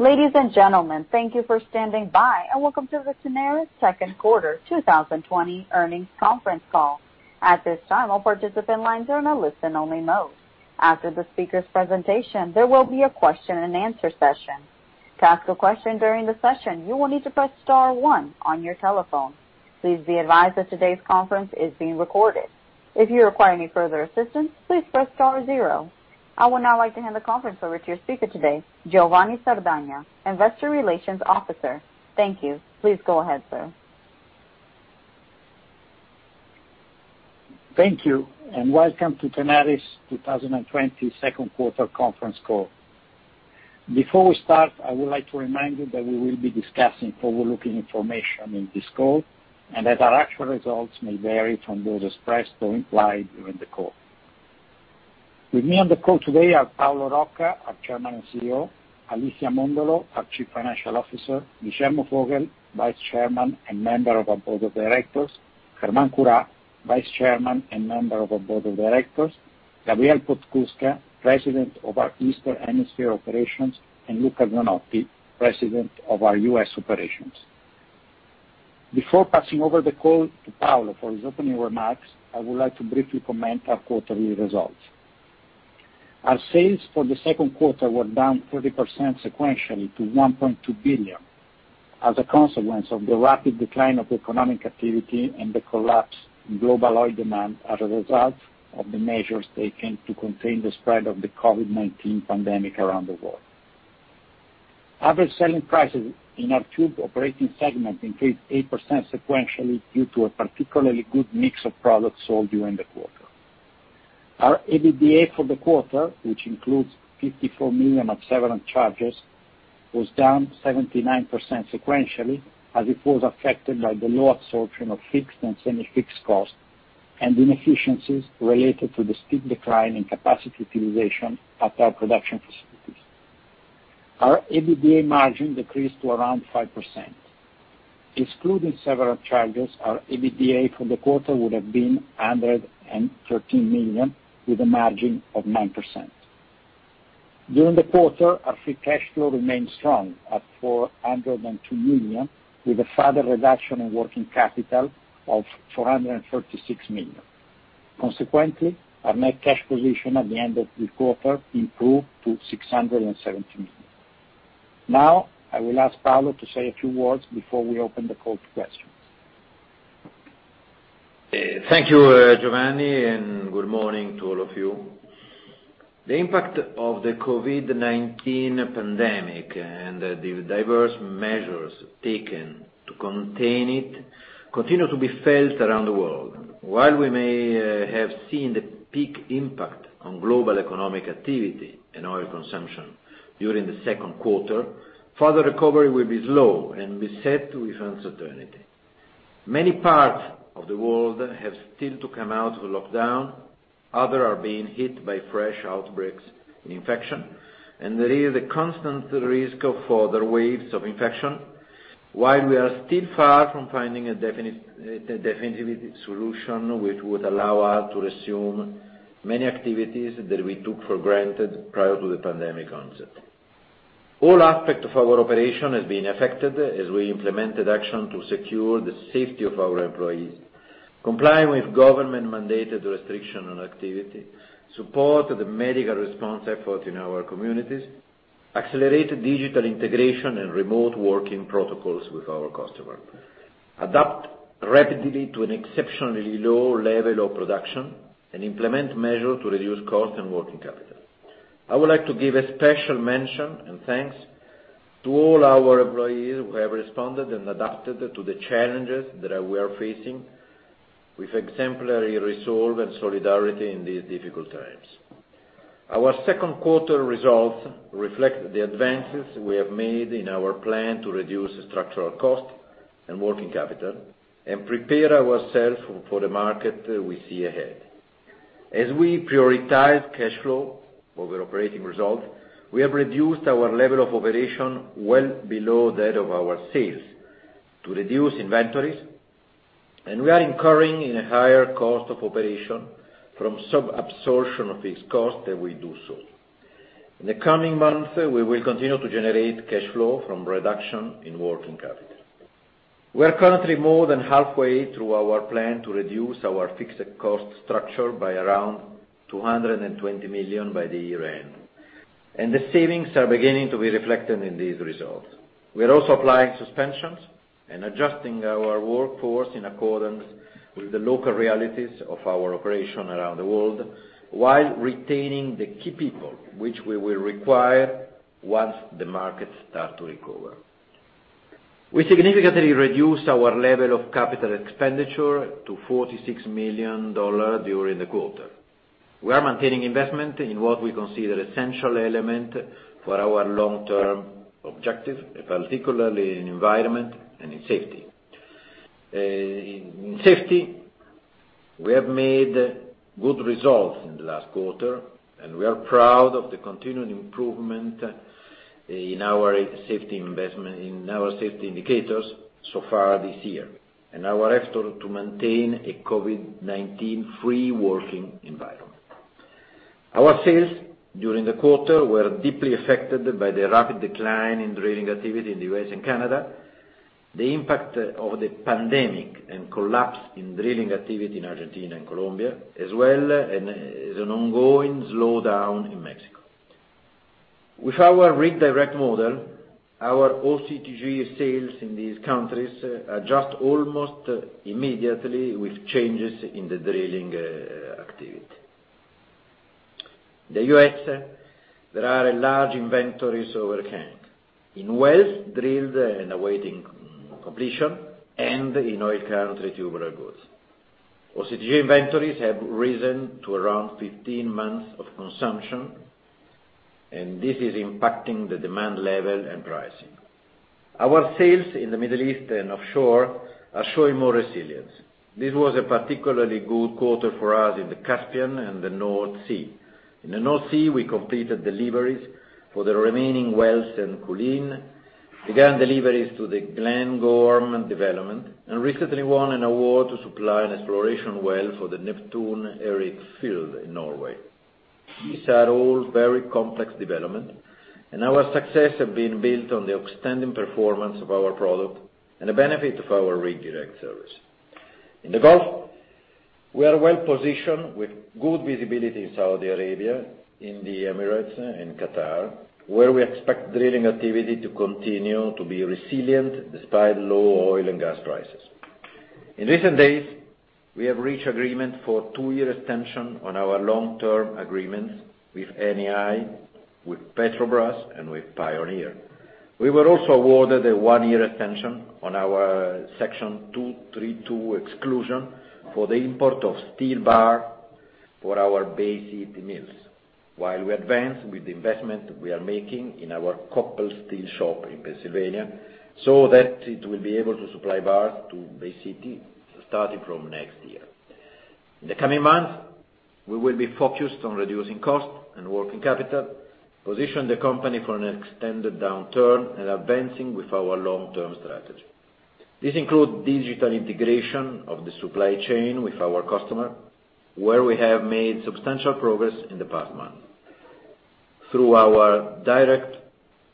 Ladies and gentlemen, thank you for standing by, and welcome to the Tenaris second quarter 2020 earnings conference call. At this time, all participant lines are in a listen-only mode. After the speaker's presentation, there will be a question and answer session. To ask a question during the session, you will need to press star one on your telephone. Please be advised that today's conference is being recorded. If you require any further assistance, please press star zero. I would now like to hand the conference over to your speaker today, Giovanni Sardagna, Investor Relations Officer, Thank you. Please go ahead sir. Thank you, and welcome to Tenaris' 2020 second quarter conference call. Before we start, I would like to remind you that we will be discussing forward looking information in this call, and that our actual results may vary from those expressed or implied during the call. With me on the call today are Paolo Rocca, our Chairman and CEO; Alicia Móndolo, our Chief Financial Officer; Guillermo Vogel, Vice Chairman and member of our board of directors; Germán Curá, Vice Chairman and member of our board of directors; Gabriel Podskubka, President of our Eastern Hemisphere Operations; and Luca Zanotti, President of our U.S. operations. Before passing over the call to Paolo for his opening remarks, I would like to briefly comment our quarterly results. Our sales for the second quarter were down 30% sequentially to $1.2 billion as a consequence of the rapid decline of economic activity and the collapse in global oil demand as a result of the measures taken to contain the spread of the COVID-19 pandemic around the world. Average selling prices in our two operating segments increased 8% sequentially due to a particularly good mix of products sold during the quarter. Our EBITDA for the quarter, which includes $54 million of severance charges, was down 79% sequentially, as it was affected by the low absorption of fixed and semi-fixed costs and inefficiencies related to the steep decline in capacity utilization at our production facilities. Our EBITDA margin decreased to around 5%. Excluding severance charges, our EBITDA for the quarter would have been $113 million, with a margin of 9%. During the quarter, our free cash flow remained strong at $402 million, with a further reduction in working capital of $436 million. Consequently, our net cash position at the end of the quarter improved to $617 million. Now, I will ask Paolo to say a few words before we open the call to questions. Thank you, Giovanni, and good morning to all of you. The impact of the COVID-19 pandemic and the diverse measures taken to contain it continue to be felt around the world. While we may have seen the peak impact on global economic activity and oil consumption during the second quarter, further recovery will be slow and beset with uncertainty. Many parts of the world have still to come out of lockdown. Others are being hit by fresh outbreaks and infection. There is a constant risk of further waves of infection while we are still far from finding a definitive solution which would allow us to resume many activities that we took for granted prior to the pandemic onset. All aspects of our operation have been affected as we implemented action to secure the safety of our employees, comply with government-mandated restrictions on activity, support the medical response effort in our communities, accelerate digital integration and remote working protocols with our customer, adapt rapidly to an exceptionally low level of production, and implement measures to reduce cost and working capital. I would like to give a special mention and thanks to all our employees who have responded and adapted to the challenges that we are facing with exemplary resolve and solidarity in these difficult times. Our second quarter results reflect the advances we have made in our plan to reduce structural cost and working capital and prepare ourselves for the market we see ahead. As we prioritize cash flow over operating results, we have reduced our level of operation well below that of our sales to reduce inventories, and we are incurring a higher cost of operation from some absorption of these costs as we do so. In the coming months, we will continue to generate cash flow from reduction in working capital. We are currently more than halfway through our plan to reduce our fixed cost structure by around $220 million by the year end and the savings are beginning to be reflected in these results. We are also applying suspensions and adjusting our workforce in accordance with the local realities of our operation around the world while retaining the key people, which we will require once the market starts to recover. We significantly reduced our level of capital expenditure to $46 million during the quarter. We are maintaining investment in what we consider essential elements for our long-term objective, particularly in environment and in safety. In safety, we have made good results in the last quarter, and we are proud of the continuing improvement in our safety indicators so far this year and our effort to maintain a COVID-19 free working environment. Our sales during the quarter were deeply affected by the rapid decline in drilling activity in the U.S. and Canada, the impact of the pandemic, and collapse in drilling activity in Argentina and Colombia, as well as an ongoing slowdown in Mexico. With our RigDirect model, our OCTG sales in these countries adjust almost immediately with changes in the drilling activity. The U.S., there are large inventories overhang. In wells drilled and awaiting completion and in oil country tubular goods. OCTG inventories have risen to around 15 months of consumption, and this is impacting the demand level and pricing. Our sales in the Middle East and offshore are showing more resilience. This was a particularly good quarter for us in the Caspian and the North Sea. In the North Sea, we completed deliveries for the remaining wells in Culzean, began deliveries to the Glengorm developments, and recently won an award to supply an exploration well for the Neptun Deep field in Norway. These are all very complex developments, and our success have been built on the outstanding performance of our product and the benefit of our Rig Direct service. In the Gulf, we are well-positioned with good visibility in Saudi Arabia, in the Emirates, in Qatar, where we expect drilling activity to continue to be resilient despite low oil and gas prices. In recent days, we have reached agreement for two-year extension on our long-term agreements with Eni, with Petrobras, and with Pioneer. We were also awarded a one-year extension on our Section 232 exclusion for the import of steel bar for our Bay City mills, while we advance with the investment we are making in our Koppel steel shop in Pennsylvania, so that it will be able to supply bars to Bay City starting from next year. In the coming months, we will be focused on reducing costs and working capital, position the company for an extended downturn, and advancing with our long-term strategy. This includes digital integration of the supply chain with our customer, where we have made substantial progress in the past month. Through our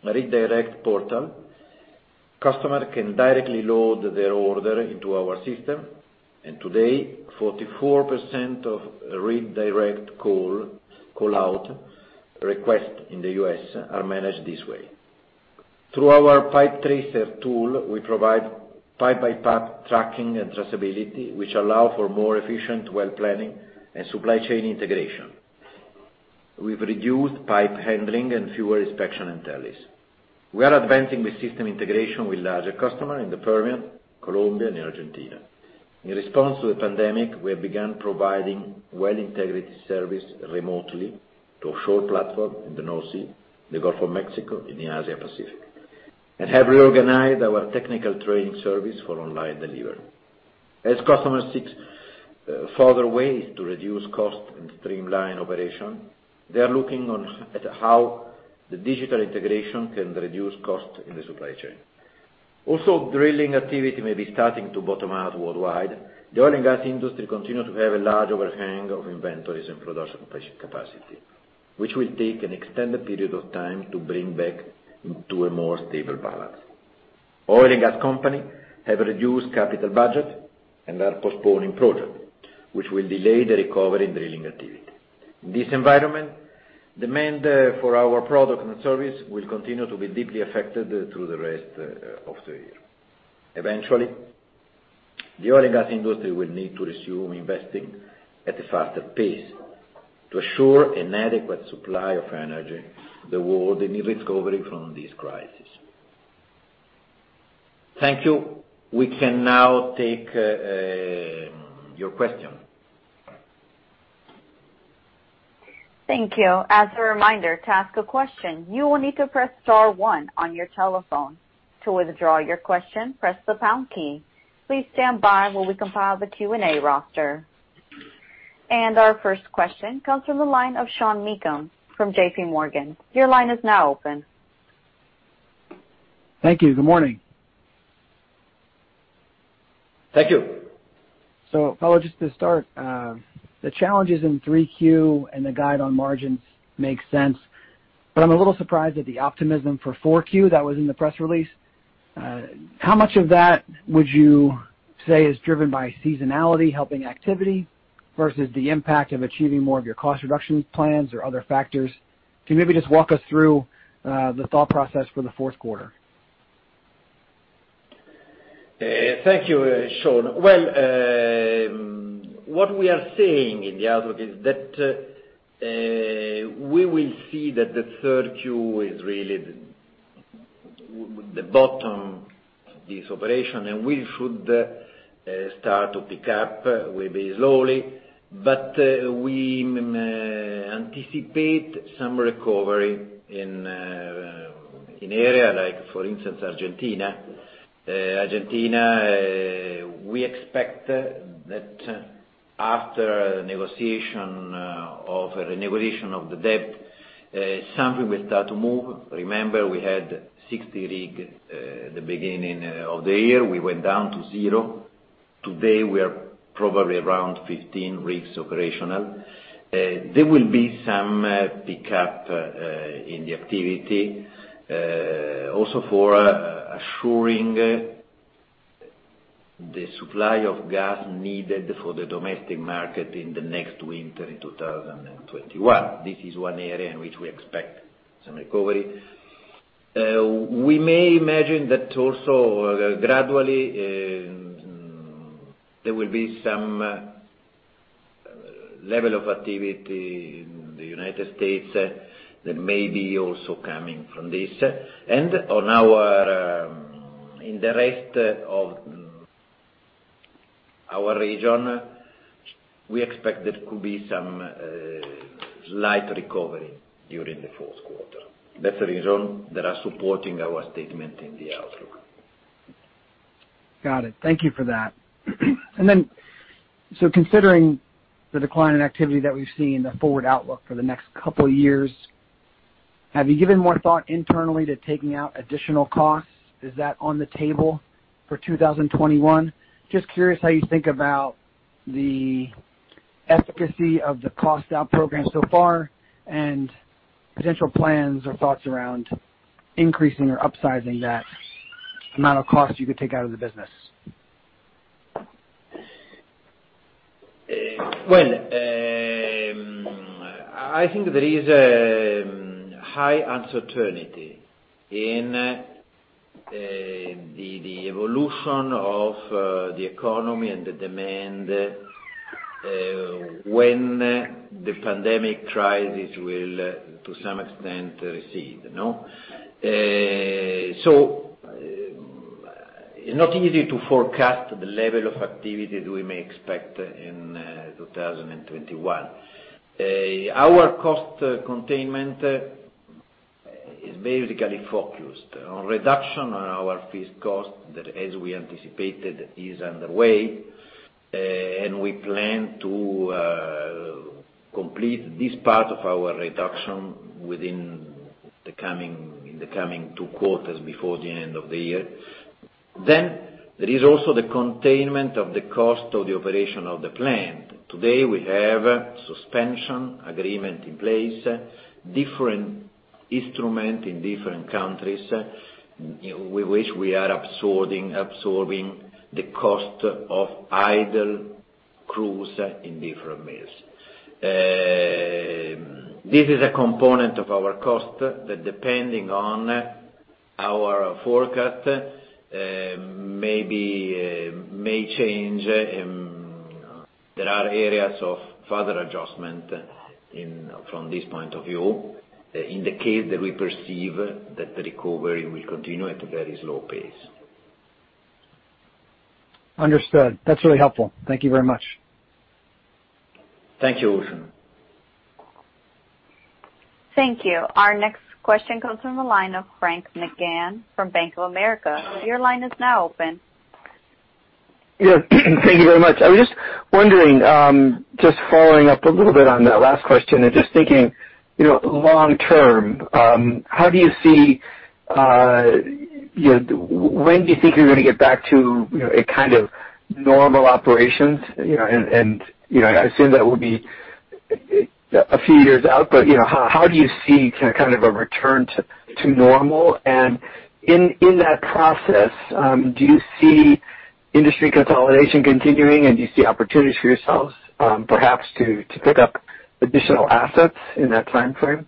Rig Direct Portal, customer can directly load their order into our system, and today, 44% of Rig Direct call-out requests in the U.S. are managed this way. Through our PipeTracer tool, we provide pipe-by-pipe tracking and traceability, which allow for more efficient well planning and supply chain integration. We've reduced pipe handling and fewer inspection and tallies. We are advancing with system integration with larger customer in the Permian, Colombia and Argentina. In response to the pandemic, we have begun providing well integrity service remotely to offshore platform in the North Sea, the Gulf of Mexico, in the Asia-Pacific, and have reorganized our technical training service for online delivery. As customers seek further ways to reduce cost and streamline operation, they are looking at how the digital integration can reduce cost in the supply chain. Drilling activity may be starting to bottom out worldwide. The oil and gas industry continues to have a large overhang of inventories and production capacity, which will take an extended period of time to bring back into a more stable balance. Oil and gas companies have reduced capital budgets and are postponing projects, which will delay the recovery in drilling activity. In this environment, demand for our products and services will continue to be deeply affected through the rest of the year. Eventually, the oil and gas industry will need to resume investing at a faster pace to assure an adequate supply of energy to the world in recovering from this crisis. Thank you, we can now take your question. Thank you. As a reminder, to ask a question, you will need to press star one on your telephone. To withdraw your question, press the pound key. Please stand by while we compile the Q&A roster. Our first question comes from the line of Sean Meakim from J.P. Morgan. Your line is now open. Thank you. Good morning. Thank you. Paolo, just to start the challenges in Q3 and the guide on margins make sense, I'm a little surprised at the optimism for Q4 that was in the press release. How much of that would you say is driven by seasonality helping activity versus the impact of achieving more of your cost reduction plans or other factors? Can you maybe just walk us through the thought process for the fourth quarter? Thank you, Sean. Well, what we are saying in the outlook is that we will see that the Q3 is really the bottom of this operation, and we should start to pick up, will be slowly. We anticipate some recovery in area like, for instance, Argentina. Argentina, we expect that after negotiation of the debt, something will start to move. Remember, we had 60 rig, the beginning of the year. We went down to zero. Today, we are probably around 15 rigs operational. There will be some pickup in the activity, also for assuring the supply of gas needed for the domestic market in the next winter, in 2021. This is one area in which we expect some recovery. We may imagine that also, gradually, there will be some level of activity in the U.S. that may be also coming from this. In the rest of our region, we expect there could be some slight recovery during the fourth quarter. That's the reason that are supporting our statement in the outlook. Got it. Thank you for that. Considering the decline in activity that we've seen, the forward outlook for the next couple of years, have you given more thought internally to taking out additional costs? Is that on the table for 2021? Just curious how you think about the efficacy of the Cost-out program so far, and potential plans or thoughts around increasing or upsizing that amount of cost you could take out of the business. Well, I think there is a high uncertainty in the evolution of the economy and the demand, when the pandemic crisis will, to some extent, recede. It's not easy to forecast the level of activity that we may expect in 2021. Our cost containment is basically focused on reduction on our fixed cost, that, as we anticipated, is underway. We plan to complete this part of our reduction within the coming two quarters, before the end of the year. There is also the containment of the cost of the operation of the plant. Today, we have a suspension agreement in place, different instrument in different countries, with which we are absorbing the cost of idle crews in different mills. This is a component of our cost, that depending on our forecast, may change. There are areas of further adjustment from this point of view, in the case that we perceive that the recovery will continue at a very slow pace. Understood. That's really helpful. Thank you very much. Thank you, Wilson. Thank you. Our next question comes from the line of Frank McGann from Bank of America. Your line is now open. Yeah. Thank you very much. I was just wondering, just following up a little bit on that last question, and just thinking long term, when do you think you're going to get back to a kind of normal operations? I assume that will be a few years out. How do you see kind of a return to normal? In that process, do you see industry consolidation continuing, and do you see opportunities for yourselves, perhaps to pick up additional assets in that timeframe?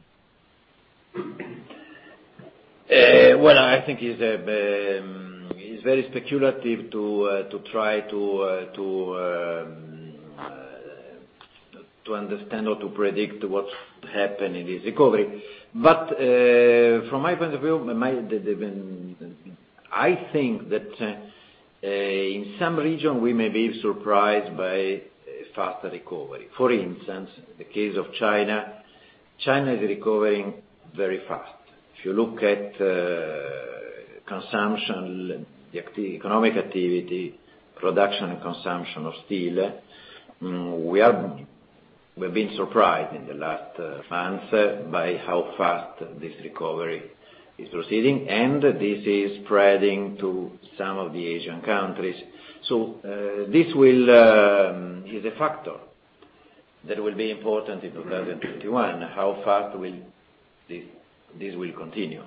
Well, I think it's very speculative to try to understand or to predict what happened in this recovery. From my point of view, I think that in some region, we may be surprised by a faster recovery. For instance, the case of China is recovering very fast. If you look at consumption, the economic activity, production and consumption of steel, we've been surprised in the last months by how fast this recovery is proceeding, and this is spreading to some of the Asian countries. This is a factor that will be important in 2021, how fast this will continue.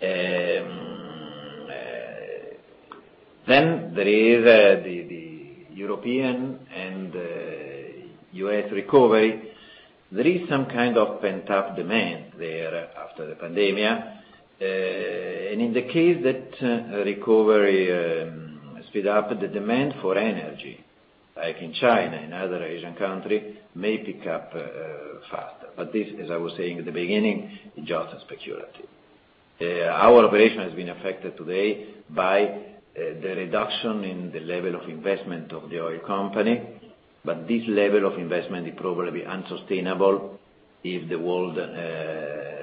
There is the European and U.S. recovery. There is some kind of pent-up demand there after the pandemic. In the case that recovery speed up, the demand for energy, like in China and other Asian country, may pick up faster. This, as I was saying at the beginning, is just speculative. Our operation has been affected today by the reduction in the level of investment of the oil company. This level of investment is probably unsustainable if the world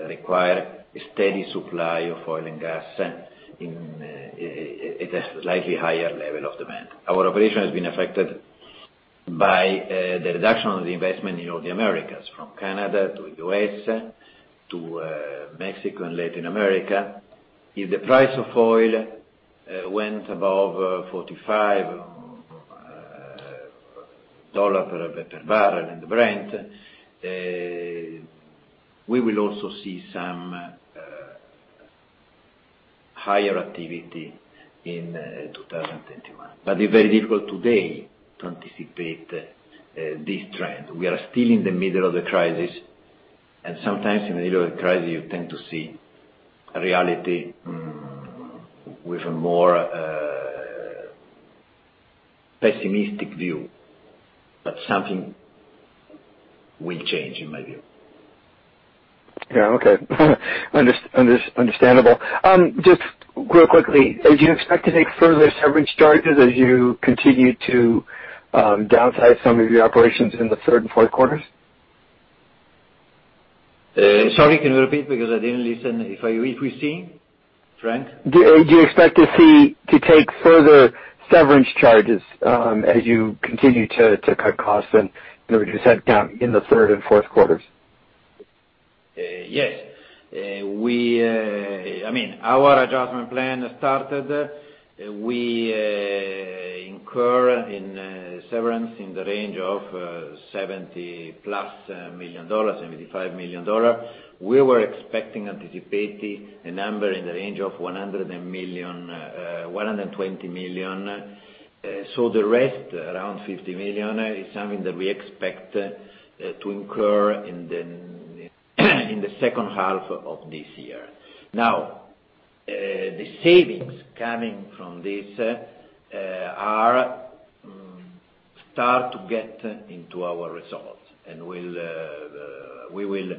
require a steady supply of oil and gas at a slightly higher level of demand. Our operation has been affected by the reduction of the investment in all the Americas, from Canada to U.S. to Mexico and Latin America. If the price of oil went above $45 per barrel in the Brent, we will also see some higher activity in 2021. It's very difficult today to anticipate this trend. We are still in the middle of the crisis, and sometimes in the middle of a crisis, you tend to see reality with a more pessimistic view. Something will change, in my view. Yeah. Okay. Understandable. Just real quickly, do you expect to take further severance charges as you continue to downsize some of your operations in the third and fourth quarters? Sorry, can you repeat because I didn't listen if we see, Frank? Do you expect to take further severance charges as you continue to cut costs and reduce headcount in the third and fourth quarters? Yes. Our adjustment plan started. We incur in severance in the range of $70 plus million, $75 million. We were expecting, anticipating, a number in the range of $120 million. The rest, around $50 million, is something that we expect to incur in the second half of this year. The savings coming from this start to get into our results, and we will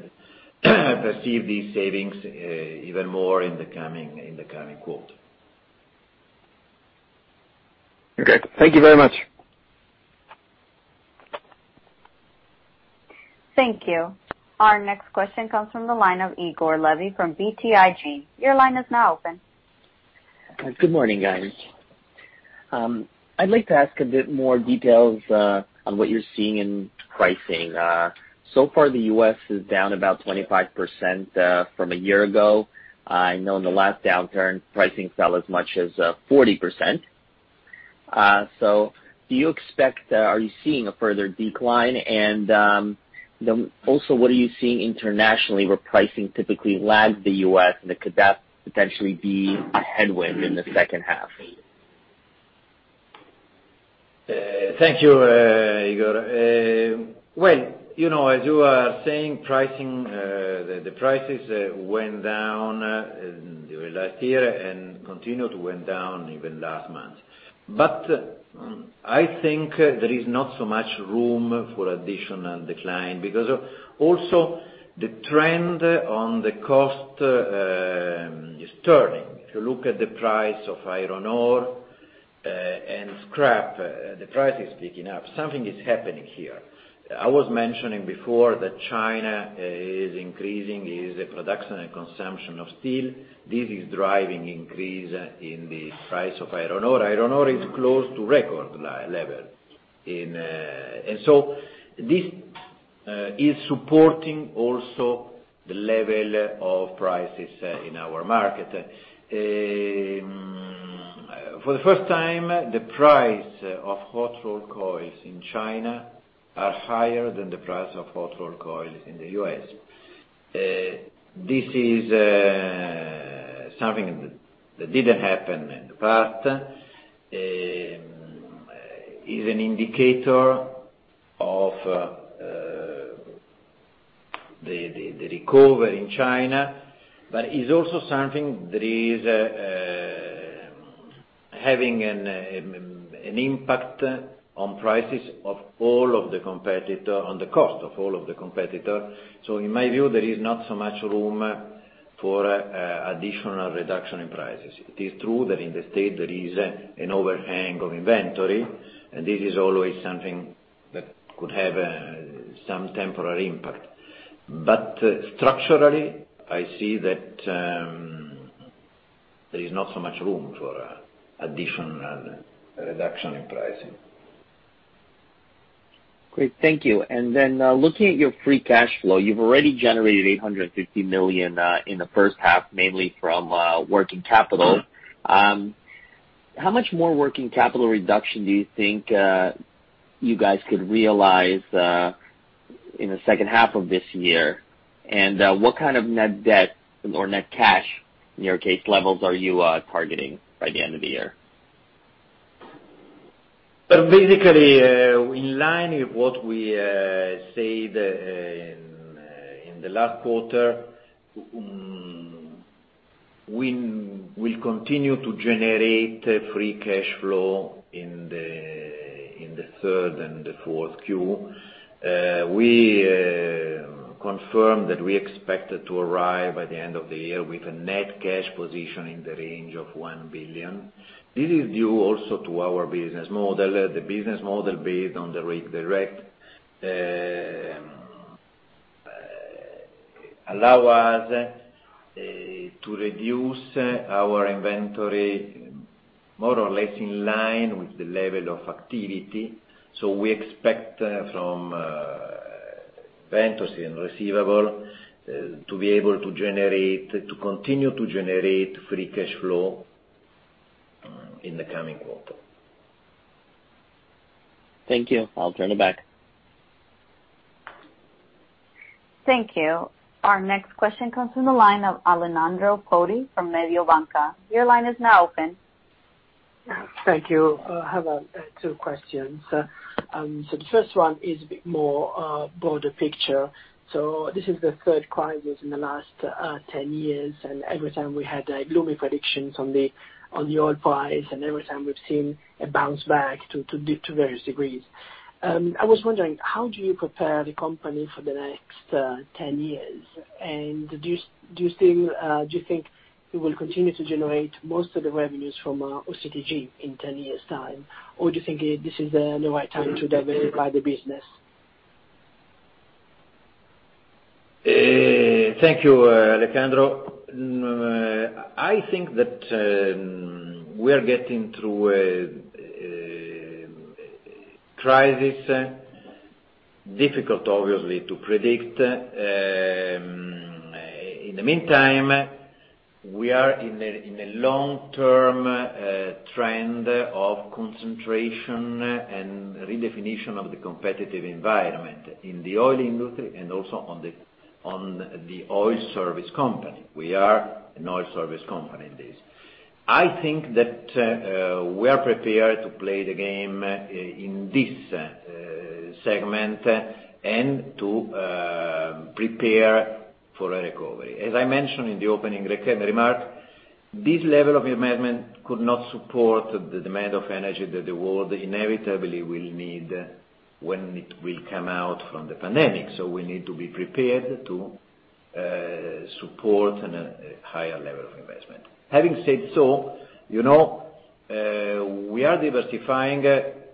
perceive these savings even more in the coming quarter. Okay. Thank you very much. Thank you. Our next question comes from the line of Igor Levi from BTIG. Your line is now open. Good morning, guys. I'd like to ask a bit more details on what you're seeing in pricing. So far the U.S. is down about 25% from a year ago. I know in the last downturn, pricing fell as much as 40%. Are you seeing a further decline? Also what are you seeing internationally where pricing typically lags the U.S, and could that potentially be a headwind in the second half? Thank you, Igor. Well, as you are saying, the prices went down during last year and continued to went down even last month. I think there is not so much room for additional decline because of also the trend on the cost is turning. If you look at the price of iron ore and scrap, the price is picking up. Something is happening here. I was mentioning before that China is increasing its production and consumption of steel. This is driving increase in the price of iron ore. Iron ore is close to record level. This is supporting also the level of prices in our market. For the first time, the price of hot rolled coils in China are higher than the price of hot rolled coils in the U.S. This is something that didn't happen in the past, is an indicator of the recovery in China, but is also something that is having an impact on prices of all of the competitor, on the cost of all of the competitor. In my view, there is not so much room for additional reduction in prices. It is true that in the U.S., there is an overhang of inventory, and this is always something that could have some temporary impact. Structurally, I see that there is not so much room for additional reduction in pricing. Great. Thank you. Then looking at your free cash flow, you've already generated $850 million in the first half, mainly from working capital. How much more working capital reduction do you think you guys could realize in the second half of this year? What kind of net debt or net cash, in your case, levels are you targeting by the end of the year? Basically, in line with what we said in the last quarter, we'll continue to generate free cash flow in the third and the fourth Q. We confirm that we expect to arrive by the end of the year with a net cash position in the range of $1 billion. This is due also to our business model, the business model based on the Rig Direct allows us to reduce our inventory more or less in line with the level of activity. We expect from inventory and receivable to be able to continue to generate free cash flow in the coming quarter. Thank you. I'll turn it back. Thank you. Our next question comes from the line of Alessandro Pozzi from Mediobanca. Your line is now open. Thank you. I have two questions. The first one is a bit more broader picture. This is the third crisis in the last 10 years, and every time we had gloomy predictions on the oil price, and every time we've seen a bounce back to various degrees. I was wondering, how do you prepare the company for the next 10 years? Do you think it will continue to generate most of the revenues from OCTG in 10 years' time, or do you think this is the right time to diversify the business? Thank you, Alessandro. I think that we are getting through a crisis, difficult obviously to predict. In the meantime, we are in a long-term trend of concentration and redefinition of the competitive environment in the oil industry also on the oil service company. We are an oil service company. I think that we are prepared to play the game in this segment and to prepare for a recovery. As I mentioned in the opening remark, this level of investment could not support the demand of energy that the world inevitably will need when it will come out from the pandemic, we need to be prepared to support a higher level of investment. Having said so, we are diversifying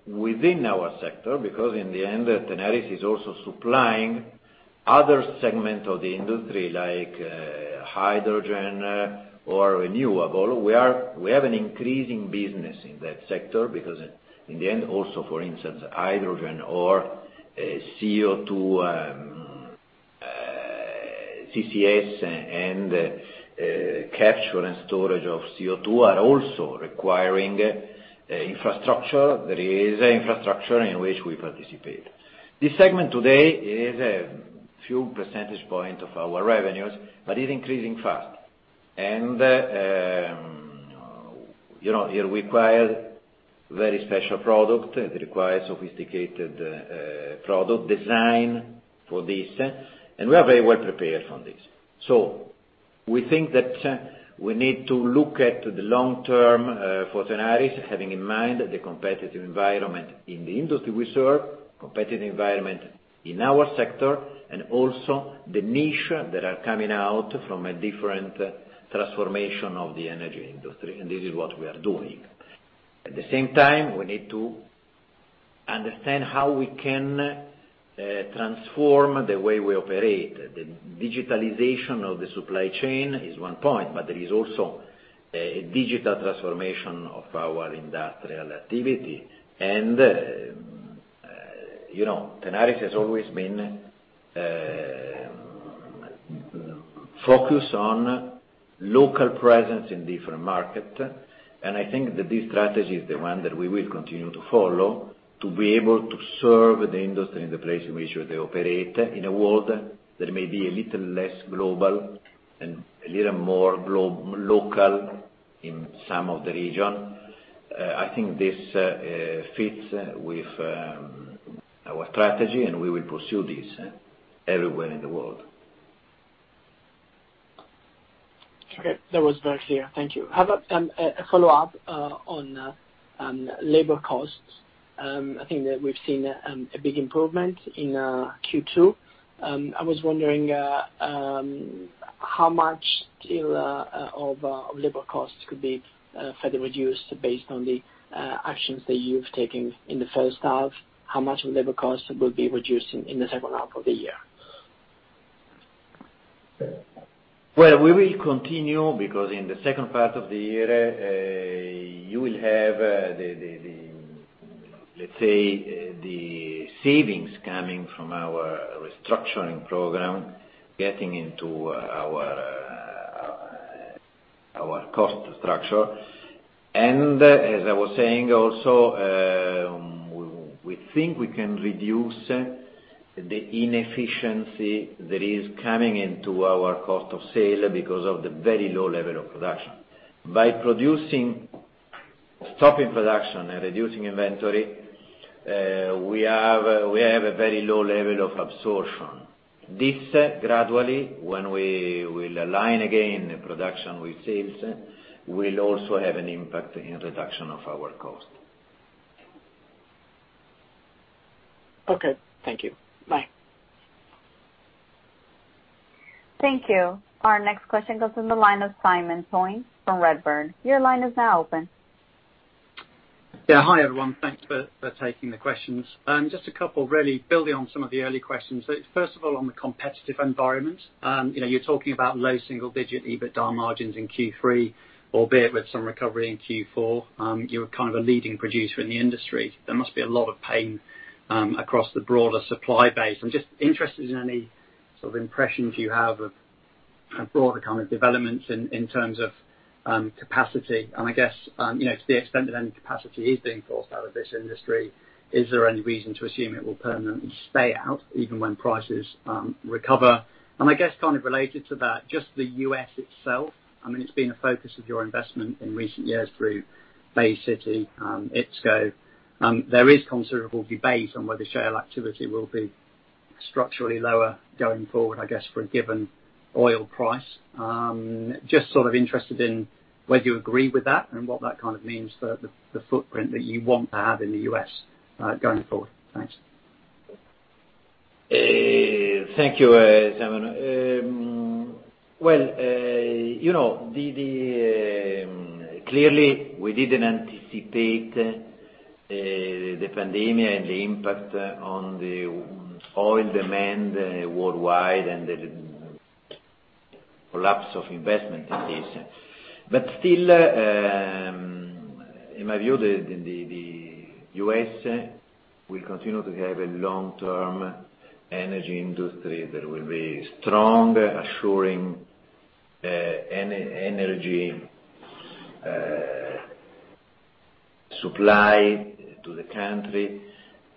within our sector, in the end, Tenaris is also supplying other segment of the industry like hydrogen or renewable. We have an increasing business in that sector because in the end, also, for instance, hydrogen or CO2, CCS, and capture and storage of CO2 are also requiring infrastructure. There is infrastructure in which we participate. This segment today is a few percentage point of our revenues, but is increasing fast. It require very special product. It require sophisticated product design for this, and we are very well prepared for this. We think that we need to look at the long term for Tenaris, having in mind the competitive environment in the industry we serve, competitive environment in our sector, and also the niche that are coming out from a different transformation of the energy industry, and this is what we are doing. At the same time, we need to understand how we can transform the way we operate. The digitalization of the supply chain is one point, but there is also a digital transformation of our industrial activity. Tenaris has always been focused on local presence in different market, and I think that this strategy is the one that we will continue to follow to be able to serve the industry in the place in which they operate in a world that may be a little less global and a little more local in some of the region. I think this fits with our strategy, and we will pursue this everywhere in the world. Okay. That was very clear. Thank you. I have a follow-up on labor costs. I think that we've seen a big improvement in Q2. I was wondering how much still of labor costs could be further reduced based on the actions that you've taken in the first half. How much of labor costs will be reduced in the second half of the year? Well, we will continue, because in the second part of the year, you will have, let's say, the savings coming from our restructuring program getting into our cost structure. As I was saying, also, we think we can reduce the inefficiency that is coming into our cost of sale because of the very low level of production. By stopping production and reducing inventory, we have a very low level of absorption. This, gradually, when we will align again production with sales, will also have an impact in reduction of our cost. Okay. Thank you. Bye. Thank you. Our next question goes to the line of Simon Toyne from Redburn. Your line is now open. Yeah. Hi, everyone. Thanks for taking the questions. Just a couple, really building on some of the early questions. First of all, on the competitive environment, you're talking about low single-digit EBITDA margins in Q3, albeit with some recovery in Q4. You're a leading producer in the industry. There must be a lot of pain, across the broader supply base. I'm just interested in any sort of impressions you have of broader kind of developments in terms of capacity. I guess, to the extent that any capacity is being forced out of this industry, is there any reason to assume it will permanently stay out even when prices recover? I guess, kind of related to that, just the U.S. itself. It's been a focus of your investment in recent years through Bay City, IPSCO. There is considerable debate on whether shale activity will be structurally lower going forward, I guess, for a given oil price. Just sort of interested in whether you agree with that and what that kind of means for the footprint that you want to have in the U.S., going forward. Thanks. Thank you, Simon. Clearly, we didn't anticipate the pandemic and the impact on the oil demand worldwide and the collapse of investment in this. Still, in my view, the U.S. will continue to have a long-term energy industry that will be strong, assuring energy supply to the country.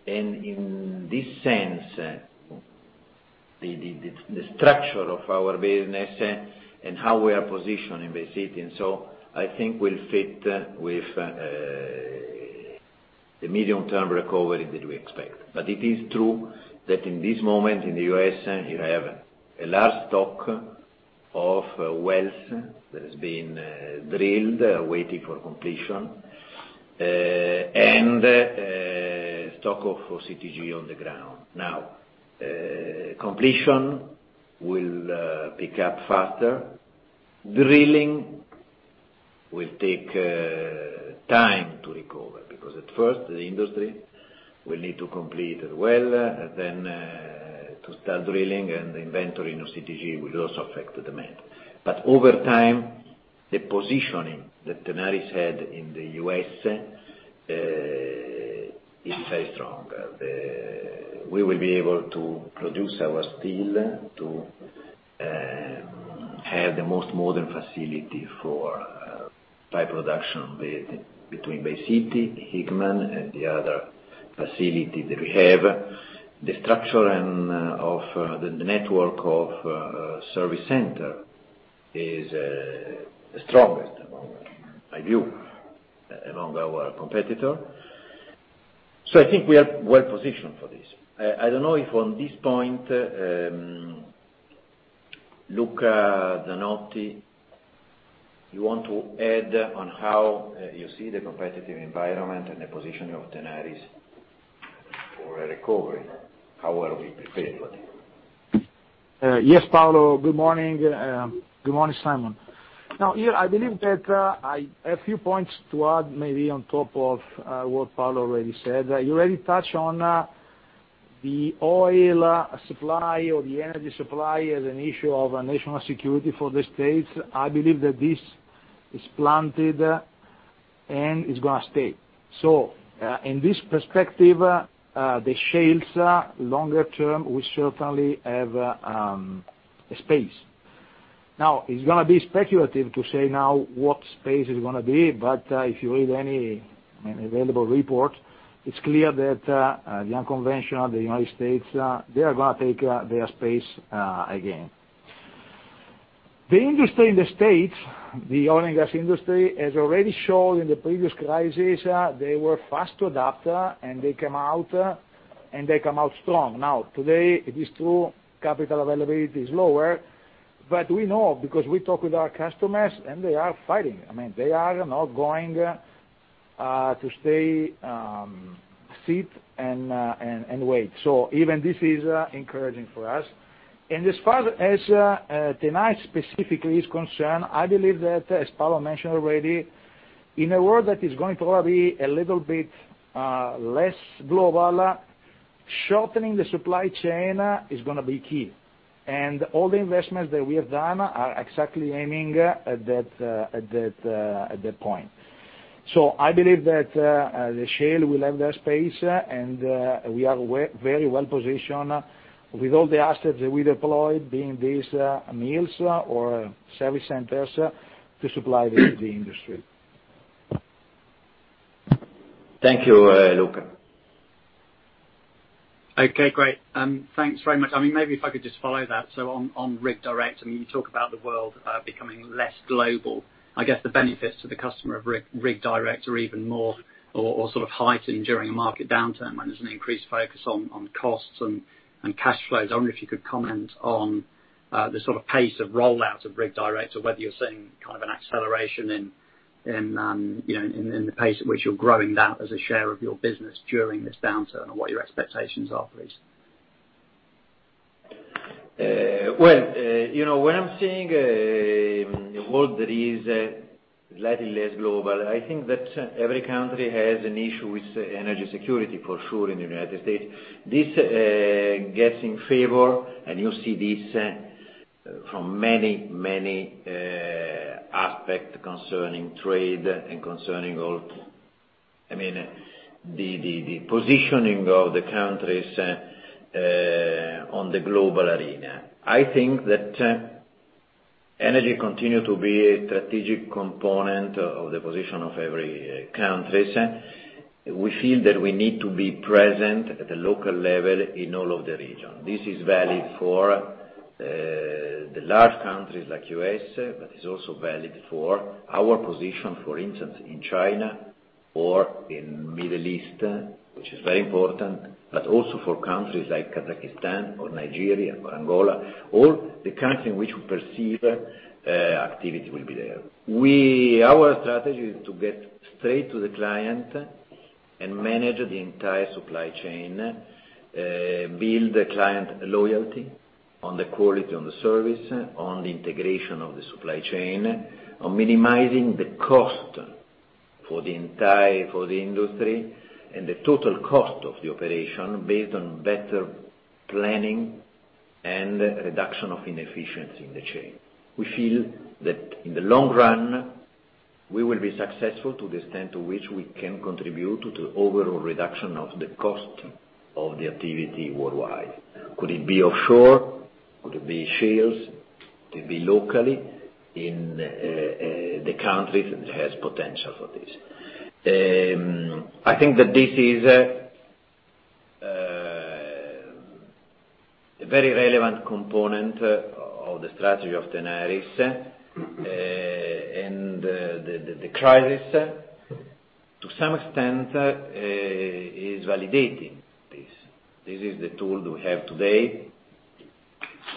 In this sense, the structure of our business and how we are positioned in Bay City, I think we'll fit with the medium-term recovery that we expect. It is true that in this moment in the U.S., you have a large stock of wealth that has been drilled, waiting for completion, and stock of OCTG on the ground. Now, completion will pick up faster. Drilling will take time to recover, because at first, the industry will need to complete well, then to start drilling, and the inventory of OCTG will also affect the demand. Over time, the positioning that Tenaris had in the U.S. is very strong. We will be able to produce our steel to have the most modern facility for pipe production between Bay City, Hickman and the other facility that we have. The structure of the network of service center is the strongest, in my view, among our competitor. I think we are well positioned for this. I don't know if on this point, Luca Zanotti, you want to add on how you see the competitive environment and the positioning of Tenaris for a recovery, how well we prepared for this. Yes, Paolo. Good morning. Good morning, Simon. Here I believe that I have a few points to add, maybe on top of what Paolo already said. You already touched on the oil supply or the energy supply as an issue of national security for the U.S. I believe that this is planted and it's going to stay. In this perspective, the shales, longer term, will certainly have a space. It's going to be speculative to say now what space it's going to be, but if you read any available report, it's clear that the unconventional, the U.S., they are going to take their space again. The industry in the U.S., the oil and gas industry, has already shown in the previous crises, they were fast to adapt, and they come out strong. Today, it is true capital availability is lower, but we know because we talk with our customers, and they are fighting. They are not going to stay sit and wait. Even this is encouraging for us. As far as Tenaris specifically is concerned, I believe that, as Paolo mentioned already, in a world that is going to probably a little bit less global, shortening the supply chain is going to be key. All the investments that we have done are exactly aiming at that point. I believe that the shale will have their space, and we are very well positioned with all the assets that we deployed being these mills or service centers to supply the industry. Thank you, Luca. Okay, great. Thanks very much. Maybe if I could just follow that. On Rig Direct, you talk about the world becoming less global. I guess the benefits to the customer of Rig Direct are even more or sort of heightened during a market downturn when there's an increased focus on costs and cash flows. I wonder if you could comment on the sort of pace of rollout of Rig Direct or whether you're seeing kind of an acceleration in the pace at which you're growing that as a share of your business during this downturn and what your expectations are, please. Well, when I'm saying a world that is slightly less global, I think that every country has an issue with energy security, for sure, in the U.S. You see this from many, many aspects concerning trade and concerning all the positioning of the countries on the global arena. I think that energy continue to be a strategic component of the position of every countries. We feel that we need to be present at the local level in all of the region. This is valid for the large countries like U.S., It's also valid for our position, for instance, in China or in Middle East, which is very important, Also for countries like Kazakhstan or Nigeria or Angola, or the country in which we perceive activity will be there. Our strategy is to get straight to the client and manage the entire supply chain, build the client loyalty on the quality, on the service, on the integration of the supply chain, on minimizing the cost for the industry, and the total cost of the operation based on better planning and reduction of inefficiency in the chain. We feel that in the long run, we will be successful to the extent to which we can contribute to the overall reduction of the cost of the activity worldwide. Could it be offshore? Could it be ships? Could it be locally in the countries that has potential for this? I think that this is a very relevant component of the strategy of Tenaris. The crisis, to some extent, is validating this. This is the tool we have today.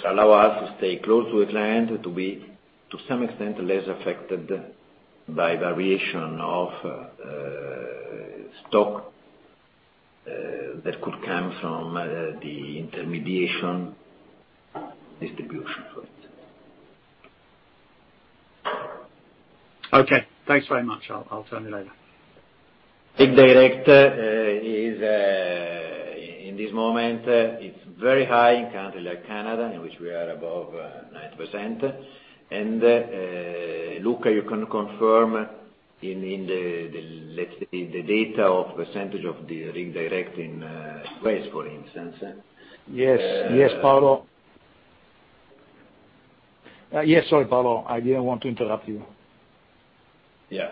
Allow us to stay close to a client, to be, to some extent, less affected by variation of stock that could come from the intermediation distribution for it. Okay. Thanks very much. I'll turn it over. Rig Direct is, in this moment, it's very high in a country like Canada, in which we are above 9%. Luca, you can confirm in the, let's say, the data of percentage of the Rig Direct in U.S., for instance. Yes, Paolo. Yes. Sorry, Paolo, I didn't want to interrupt you. Yeah.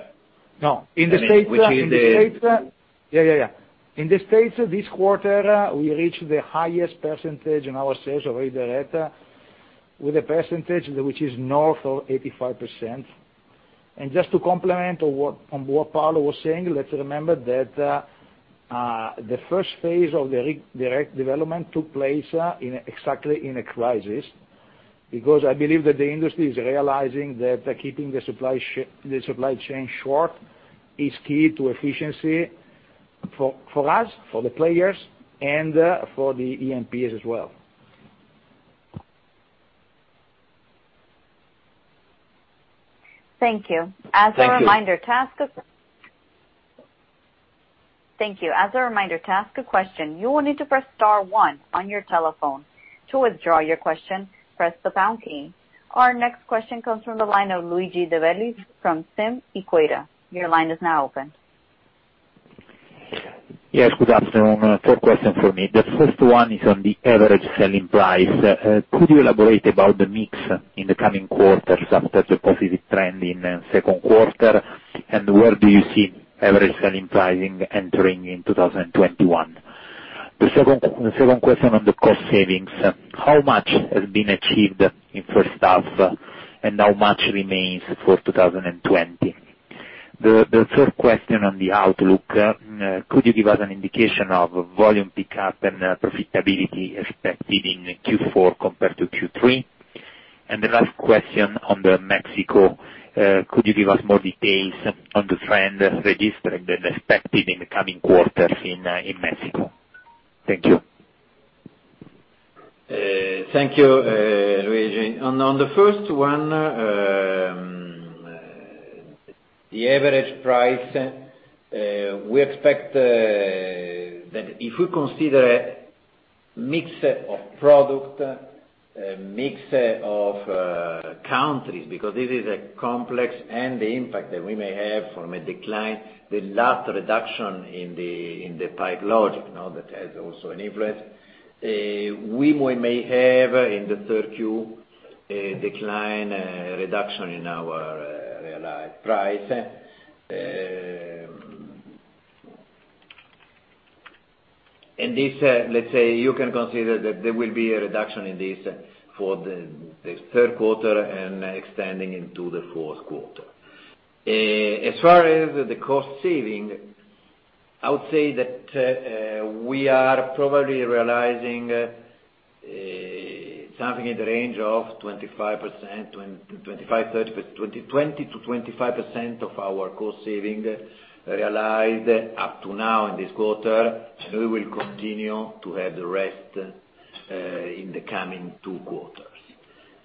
No. In the States. Which is the. Yeah. In the U.S., this quarter, we reached the highest percentage in our sales of Rig Direct, with a percentage which is north of 85%. Just to complement on what Paolo was saying, let's remember that the first phase of the Rig Direct development took place exactly in a crisis. I believe that the industry is realizing that keeping the supply chain short is key to efficiency for us, for the players, and for the E&Ps as well. Thank you. Thank you. As a reminder, to ask a question, you will need to press star one on your telephone. To withdraw your question, press the pound key. Our next question comes from the line of Luigi De Bellis from Equita SIM. Your line is now open. Yes, good afternoon. Two question for me. The first one is on the average selling price. Could you elaborate about the mix in the coming quarters after the positive trend in second quarter? Where do you see average selling pricing entering in 2021? The second question on the cost savings. How much has been achieved in first half, and how much remains for 2020? The third question on the outlook. Could you give us an indication of volume pickup and profitability expected in Q4 compared to Q3? The last question on the Mexico. Could you give us more details on the trend registered and expected in the coming quarters in Mexico? Thank you. Thank you, Luigi. On the first one, the average price, we expect that if we consider a mix of product, a mix of countries, because this is a complex, and the impact that we may have from a decline, the last reduction in the Pipe Logix, that has also an influence. We may have, in the third Q, a decline, a reduction in our realized price. This, let's say, you can consider that there will be a reduction in this for the third quarter and extending into the fourth quarter. As far as the cost saving, I would say that we are probably realizing something in the range of 20%-25% of our cost saving realized up to now in this quarter. We will continue to have the rest in the coming two quarters.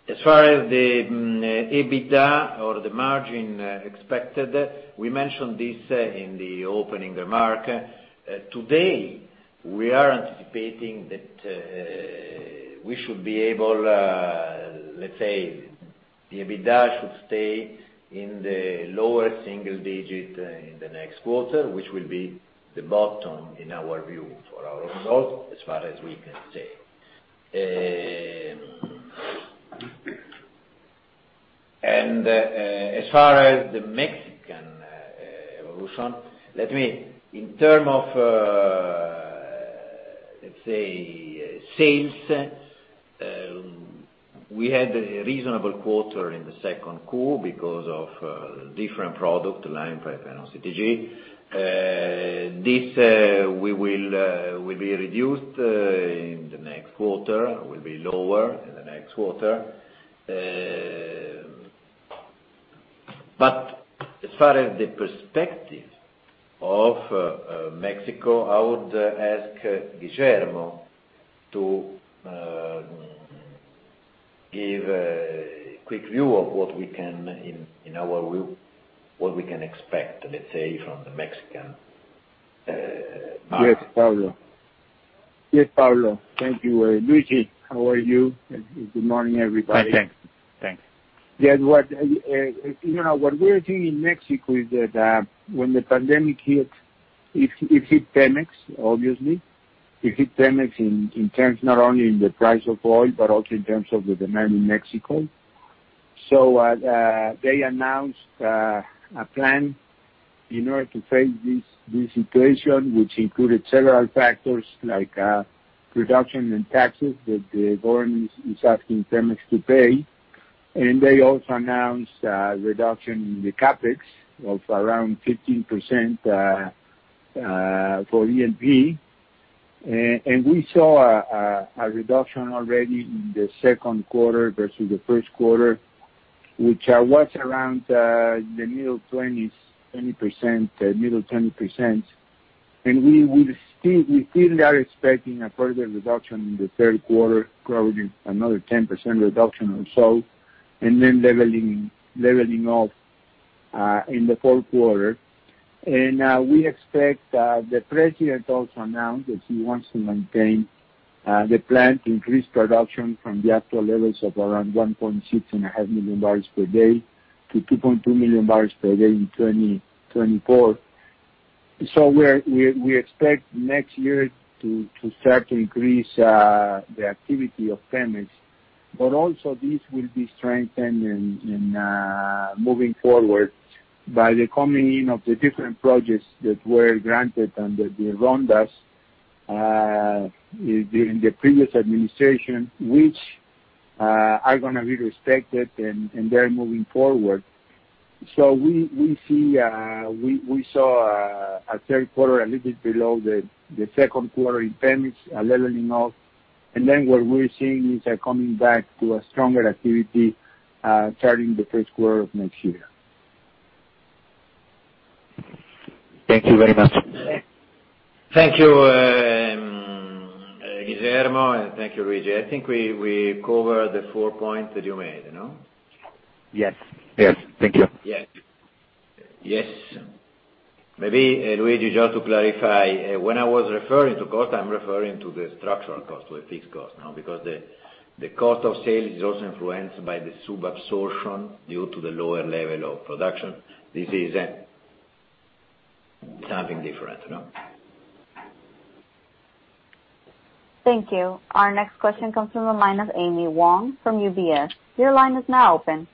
As far as the EBITDA or the margin expected, we mentioned this in the opening remark. Today, we are anticipating that we should be able, let's say, the EBITDA should stay in the lower single-digit in the next quarter, which will be the bottom, in our view, for our results as far as we can say. As far as the Mexican evolution, let me, in terms of sales, we had a reasonable quarter in the second Q because of different product line for OCTG. This will be reduced in the next quarter, will be lower in the next quarter. As far as the perspective of Mexico, I would ask Guillermo to give a quick view of what we can in our view, what we can expect, let's say, from the Mexican market. Yes, Paolo. Thank you. Luigi, how are you? Good morning, everybody. Hi, thanks. You know what we are seeing in Mexico is that when the pandemic hit, it hit Pemex, obviously. It hit Pemex in terms not only in the price of oil, but also in terms of the demand in Mexico. They announced a plan in order to face this situation, which included several factors like reduction in taxes that the government is asking Pemex to pay. They also announced a reduction in the CapEx of around 15% for E&P. We saw a reduction already in the second quarter versus the first quarter, which was around the middle 20s, 20%, middle 20%. We still are expecting a further reduction in the third quarter, probably another 10% reduction or so, then leveling off in the fourth quarter. We expect the president also announced that he wants to maintain the plan to increase production from the actual levels of around 1.6 and a half million barrels per day to 2.2 million barrels per day in 2024. We expect next year to start to increase the activity of Pemex, but also this will be strengthened in moving forward by the coming in of the different projects that were granted under the rondas during the previous administration, which are going to be respected and they're moving forward. We saw a third quarter a little bit below the second quarter in Pemex, a leveling off. What we're seeing is a coming back to a stronger activity starting the first quarter of next year. Thank you very much. Thank you, Guillermo, and thank you, Luigi. I think we covered the four points that you made, no? Yes. Thank you. Yes. Maybe, Luigi, just to clarify, when I was referring to cost, I'm referring to the structural cost, to a fixed cost, no? Because the cost of sale is also influenced by the sub-absorption due to the lower level of production. This is something different, no? Thank you. Our next question comes from the line of Amy Wong from UBS. Your line is now open.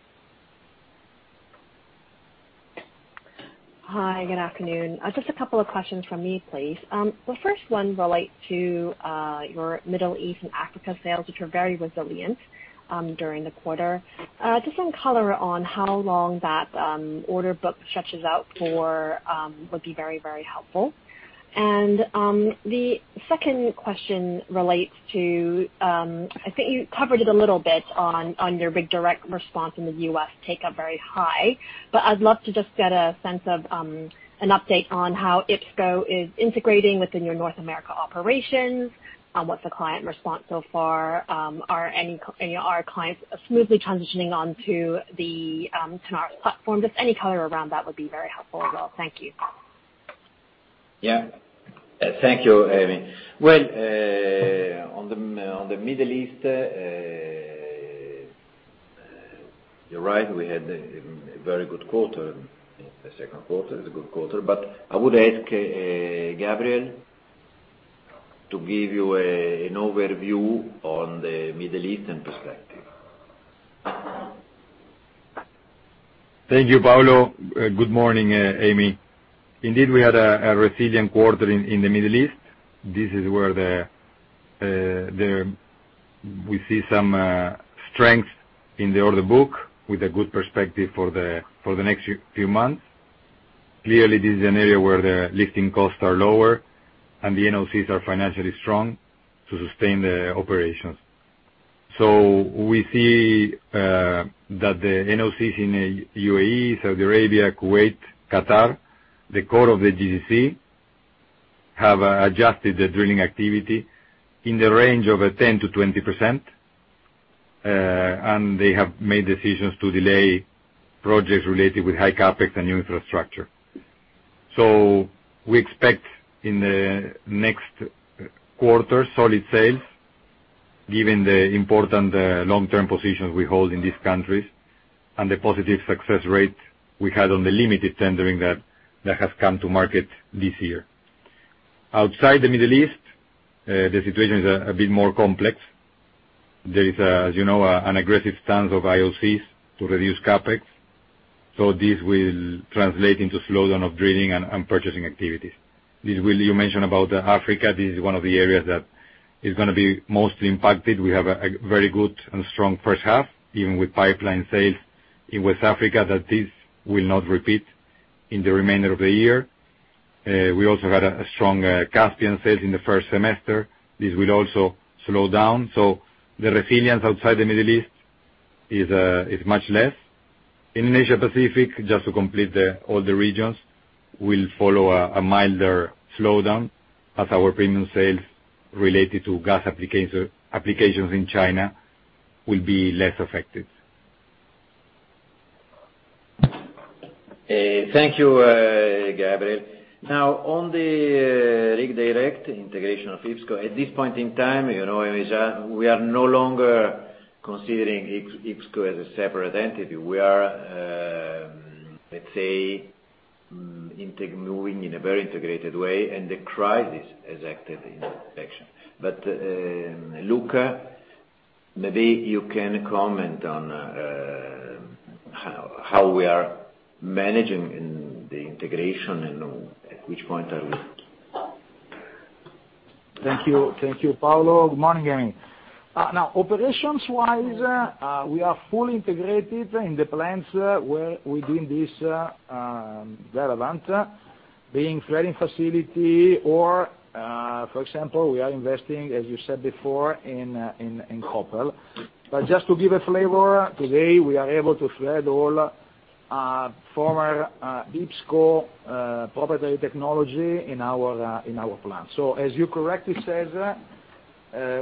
Hi, good afternoon. Just a couple of questions from me, please. The first one relates to your Middle East and Africa sales, which were very resilient during the quarter. Just some color on how long that order book stretches out for would be very helpful. The second question relates to, I think you covered it a little bit on your Rig Direct response in the U.S., take up very high. I'd love to just get a sense of an update on how IPSCO is integrating within your North America operations. What's the client response so far? Are clients smoothly transitioning onto the Tenaris platform? Just any color around that would be very helpful as well. Thank you. Yeah. Thank you, Amy. Well, on the Middle East, you're right, we had a very good quarter. The second quarter is a good quarter. I would ask Gabriel to give you an overview on the Middle Eastern perspective. Thank you, Paolo. Good morning, Amy. Indeed, we had a resilient quarter in the Middle East. This is where we see some strength in the order book with a good perspective for the next few months. Clearly, this is an area where the lifting costs are lower and the NOCs are financially strong to sustain the operations. We see that the NOCs in UAE, Saudi Arabia, Kuwait, Qatar, the core of the GCC have adjusted the drilling activity in the range of 10%-20%, and they have made decisions to delay projects related with high CapEx and new infrastructure. We expect in the next quarter, solid sales, given the important long-term positions we hold in these countries, and the positive success rate we had on the limited tendering that has come to market this year. Outside the Middle East, the situation is a bit more complex. There is as you know, an aggressive stance of IOCs to reduce CapEx. This will translate into slowdown of drilling and purchasing activities. This will, you mentioned about Africa, this is one of the areas that is going to be most impacted. We have a very good and strong first half, even with pipeline sales in West Africa, that this will not repeat in the remainder of the year. We also had a strong Caspian sales in the first semester. This will also slow down. The resilience outside the Middle East is much less. In Asia Pacific, just to complete all the regions, will follow a milder slowdown as our premium sales related to gas applications in China will be less affected. Thank you, Gabriel. Now, on the Rig Direct integration of IPSCO, at this point in time, we are no longer considering IPSCO as a separate entity. We are, let's say, moving in a very integrated way, and the crisis has acted in that action. Luca, maybe you can comment on how we are managing in the integration and at which point are we? Thank you, Paolo. Good morning. Operations-wise, we are fully integrated in the plants where we doing this relevant, being threading facility or, for example, we are investing, as you said before, in Koppel. Just to give a flavor, today, we are able to thread all former IPSCO proprietary technology in our plant. As you correctly said,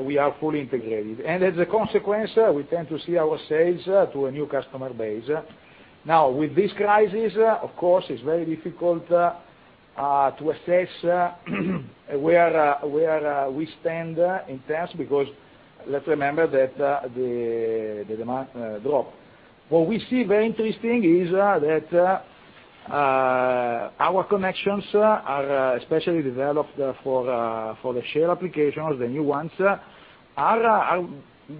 we are fully integrated. As a consequence, we tend to see our sales to a new customer base. With this crisis, of course, it's very difficult to assess where we stand in terms, because let's remember that the demand dropped. What we see very interesting is that our connections are especially developed for the share applications, the new ones, are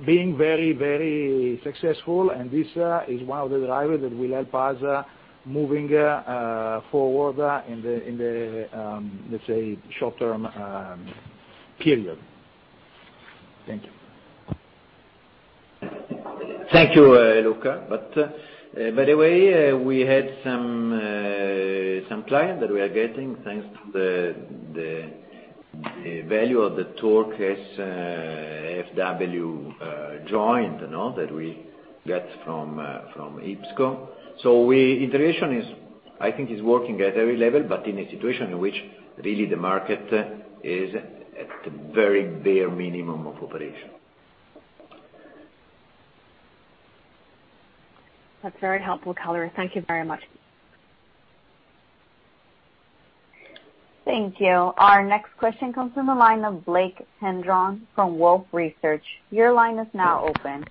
being very successful, and this is one of the drivers that will help us moving forward in the let's say, short term period. Thank you. Thank you, Luca. By the way, we had some client that we are getting, thanks to the value of the TorqSFW joint that we get from IPSCO. Integration, I think is working at every level, but in a situation in which really the market is at the very bare minimum of operation. That's very helpful, Paolo. Thank you very much. Thank you. Our next question comes from the line of Blake Gendron from Wolfe Research. Your line is now open.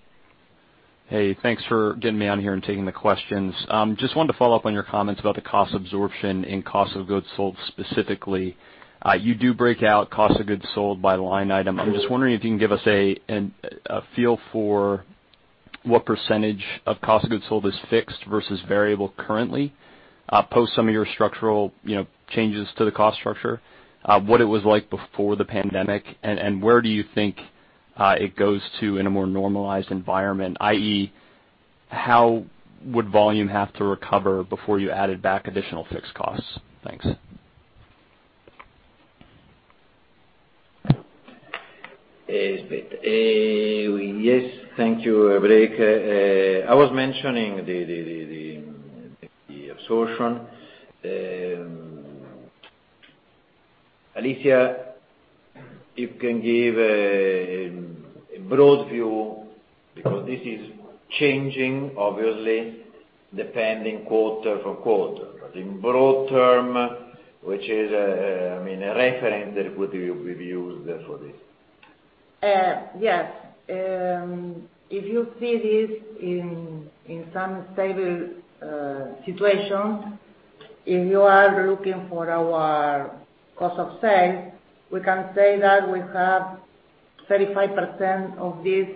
Hey, thanks for getting me on here and taking the questions. Just wanted to follow up on your comments about the cost absorption and cost of goods sold specifically. You do break out cost of goods sold by line item. I'm just wondering if you can give us a feel for what percentage of cost of goods sold is fixed versus variable currently, post some of your structural changes to the cost structure, what it was like before the pandemic, and where do you think it goes to in a more normalized environment, i.e., how would volume have to recover before you added back additional fixed costs? Thanks. Yes. Thank you, Blake. I was mentioning the absorption. Alicia, if you can give a broad view, because this is changing, obviously, depending quarter from quarter. In broad terms, which is a reference that would be used for this. Yes. If you see this in some stable situation, if you are looking for our cost of sales, we can say that we have 35% of this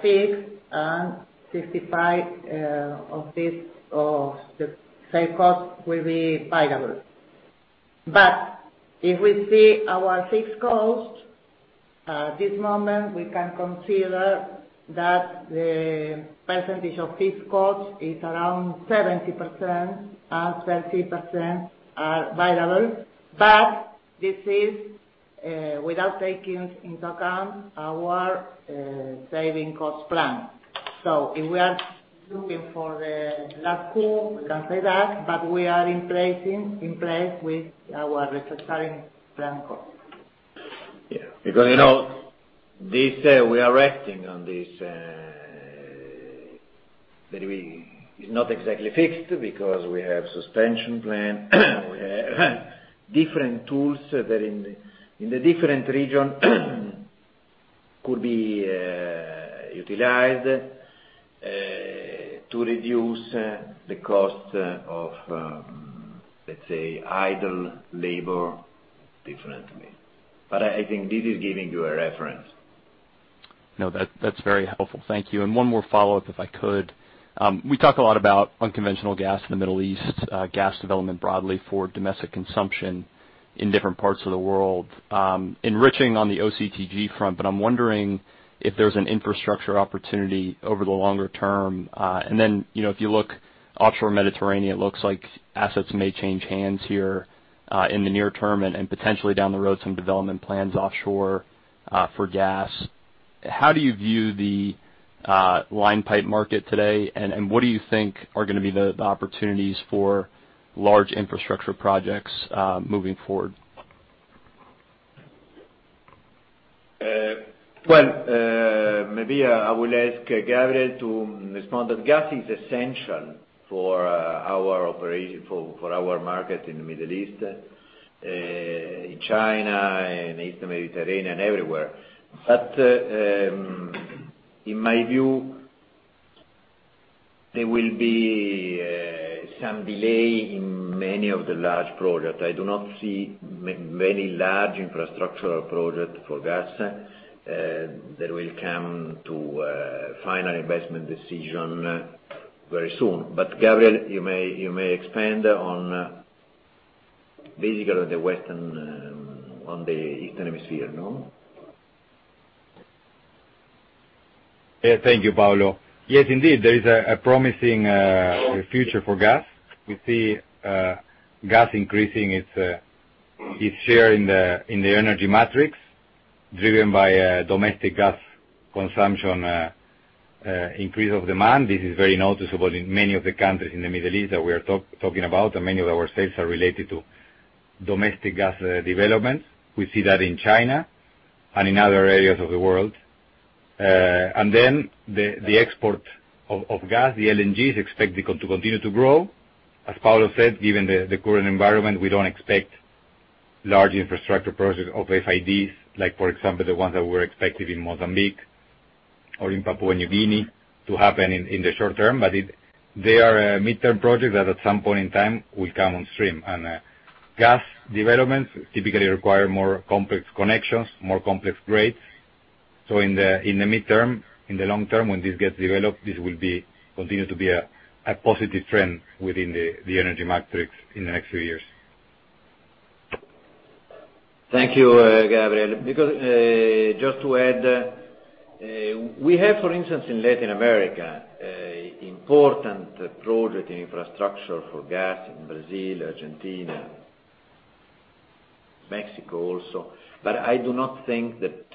fixed and 65% of this, of the sale cost will be variable. If we see our fixed cost, at this moment, we can consider that the percentage of fixed cost is around 70% and 30% are variable, but this is without taking into account our saving cost plan. If we are looking for the last Q, we can say that, but we are in place with our restructuring plan call. Yeah. We are resting on this, but it's not exactly fixed because we have suspension plan, we have different tools that in the different region could be utilized to reduce the cost of, let's say, idle labor differently. I think this is giving you a reference. No, that's very helpful. Thank you. One more follow-up, if I could. We talk a lot about unconventional gas in the Middle East, gas development broadly for domestic consumption in different parts of the world, enriching on the OCTG front, but I'm wondering if there's an infrastructure opportunity over the longer term. If you look offshore Mediterranean, looks like assets may change hands here, in the near term and potentially down the road, some development plans offshore for gas. How do you view the line pipe market today, and what do you think are going to be the opportunities for large infrastructure projects moving forward? Well, maybe I will ask Gabriel to respond. Gas is essential for our market in the Middle East, in China, in East Mediterranean, everywhere. In my view, there will be some delay in many of the large projects. I do not see many large infrastructural projects for gas that will come to a Final Investment Decision very soon. Gabriel, you may expand on basically on the Eastern Hemisphere, no? Yeah. Thank you, Paolo. Yes, indeed. There is a promising future for gas. We see gas increasing its share in the energy matrix, driven by domestic gas consumption increase of demand. This is very noticeable in many of the countries in the Middle East that we are talking about, and many of our sales are related to domestic gas development. We see that in China and in other areas of the world. The export of gas the LNGs, expected to continue to grow. As Paolo said, given the current environment, we don't expect large infrastructure projects of FIDs, like, for example, the ones that were expected in Mozambique or in Papua New Guinea to happen in the short term. They are a midterm project that at some point in time will come on stream. Gas developments typically require more complex connections, more complex grades. In the midterm, in the long term, when this gets developed, this will continue to be a positive trend within the energy matrix in the next few years. Thank you, Gabriel. Just to add, we have, for instance, in Latin America, important project in infrastructure for gas in Brazil, Argentina, Mexico also. I do not think that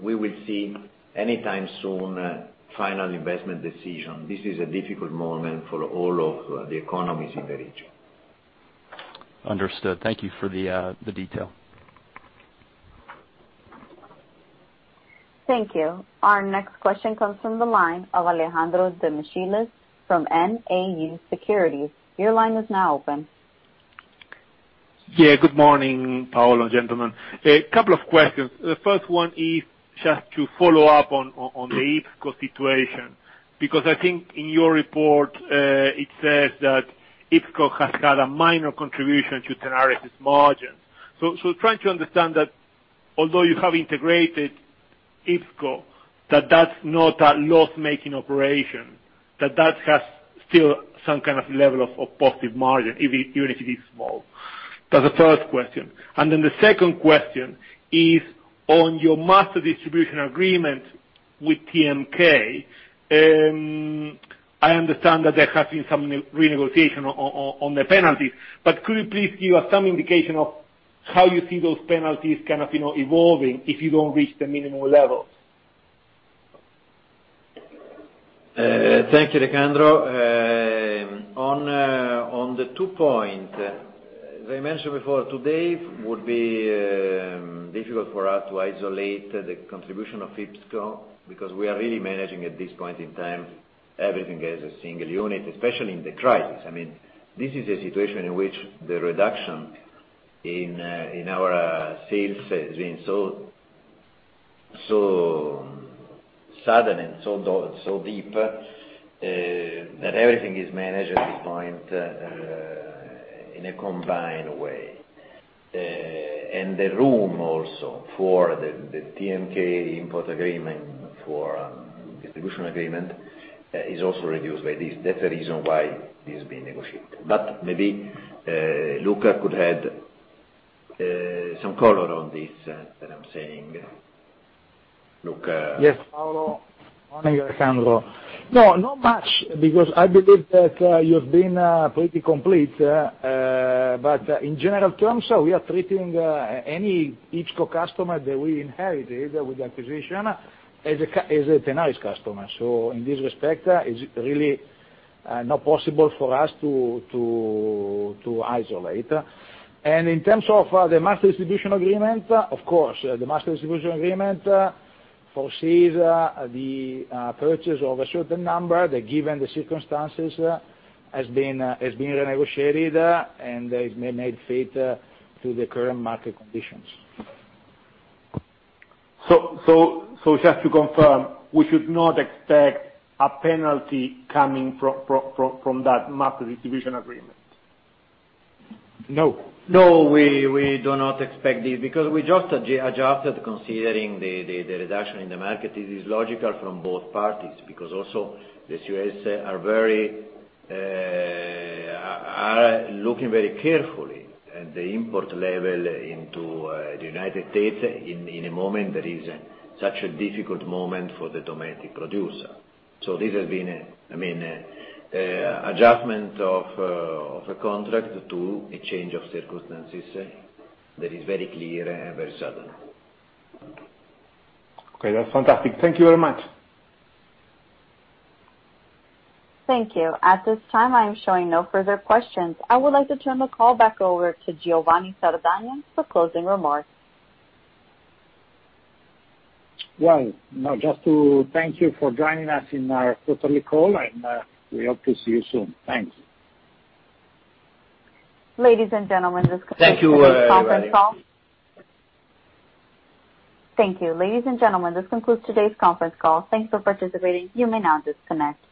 we will see anytime soon a Final Investment Decision. This is a difficult moment for all of the economies in the region. Understood. Thank you for the detail. Thank you. Our next question comes from the line of Alejandro Demichelis from Nau Securities. Your line is now open. Good morning, Paolo and gentlemen. A couple of questions. The first one is just to follow up on the IPSCO situation, because I think in your report, it says that IPSCO has had a minor contribution to Tenaris' margin. Trying to understand that although you have integrated IPSCO, that's not a loss-making operation, that has still some kind of level of positive margin, even if it is small. That's the first question. The second question is on your master distribution agreement with TMK. I understand that there has been some renegotiation on the penalty, but could you please give us some indication of how you see those penalties kind of evolving if you don't reach the minimum levels? Thank you, Alejandro. On the two point, as I mentioned before, today would be difficult for us to isolate the contribution of IPSCO because we are really managing at this point in time, everything as a single unit, especially in the crisis. This is a situation in which the reduction in our sales has been so sudden and so deep, that everything is managed at this point in a combined way. The room also for the TMK import agreement for distribution agreement is also reduced by this. That's the reason why this is being negotiated. Maybe Luca could add some color on this that I'm saying. Luca? Yes, Paolo. Morning, Alejandro. No, not much, because I believe that you have been pretty complete. In general terms, we are treating each customer that we inherited with the acquisition as a Tenaris customer. In this respect, it's really not possible for us to isolate. In terms of the master distribution agreement, of course, the master distribution agreement foresees the purchase of a certain number that, given the circumstances, has been renegotiated, and has been made fit to the current market conditions. Just to confirm, we should not expect a penalty coming from that master distribution agreement? No. No, we do not expect this because we just adjusted considering the reduction in the market. It is logical from both parties, because also, the U.S. are looking very carefully at the import level into the United States in a moment that is such a difficult moment for the domestic producer. This has been, adjustment of a contract to a change of circumstances that is very clear and very sudden. Okay, that's fantastic. Thank you very much. Thank you. At this time, I am showing no further questions. I would like to turn the call back over to Giovanni Sardagna for closing remarks. Well, now just to thank you for joining us in our quarterly call, and we hope to see you soon. Thanks. Ladies and gentlemen, this concludes today's conference call. Thank you, everybody. Thank you. Ladies and gentlemen, this concludes today's conference call. Thanks for participating. You may now disconnect.